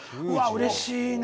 うれしいね！